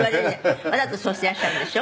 「わざとそうしてらっしゃるんでしょ？」